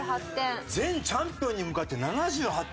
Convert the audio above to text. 前チャンピオンに向かって７８点。